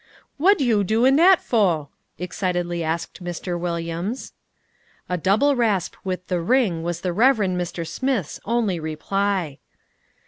"Whad yo' doin' dat for?" excitedly asked Mr. Williams. A double rasp with the ring was the Reverend Mr. Smith's only reply.